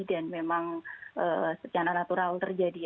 dan memang secara natural terjadi